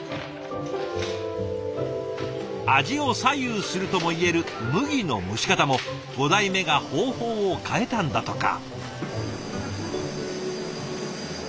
味を左右するともいえる麦の蒸し方も５代目が方法を変えたんだとか。